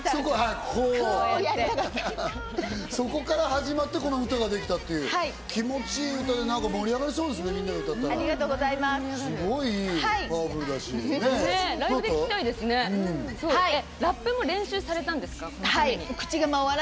そこから始まって、この歌ができたという、気持ちいい歌で盛り上がれそうですね、みんなで歌ったら。